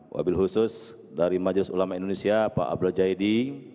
wabil khusus dari majelis ulama indonesia pak abdul jaidi